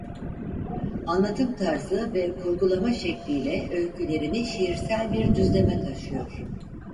Anlatım tarzı ve kurgulama şekliyle öykülerini şiirsel bir düzleme taşıyor.